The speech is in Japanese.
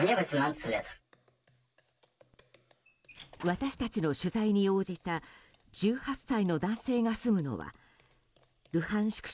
私たちの取材に応じた１８歳の男性が住むのはルハンシク